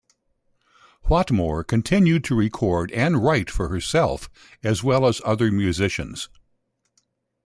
Whatmore continued to record and write for herself as well as other musicians.